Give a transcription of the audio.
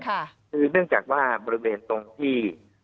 คือเนื่องจากว่าบริเวณตรงที่